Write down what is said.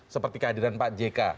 seperti kehadiran pak jk